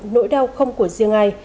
nỗi đau không của riêng ai